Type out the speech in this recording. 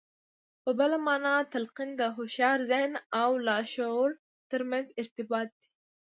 په بله مانا تلقين د هوښيار ذهن او لاشعور ترمنځ ارتباط دی.